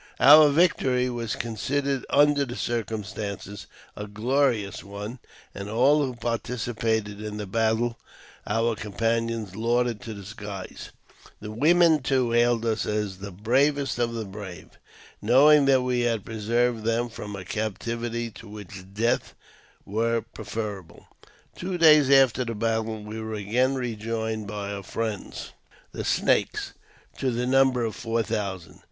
Our victory was considered, under the circumstances, a glorious one, and all who participated in the battle our com panions lauded to the skies. The women, too, hailed us as the "bravest of the brave," knowing that we had preserved them from a captivity to which death were preferable. Two days after the battle we were again rejoined by our friends, the Snakes, to the number of four thousand.